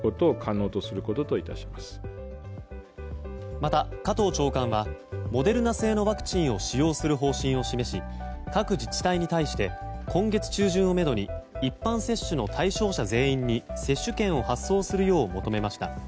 また、加藤長官はモデルナ製のワクチンを使用する方針を示し各自治体に対して今月中旬をめどに一般接種の対象者全員に接種券を発送するよう求めました。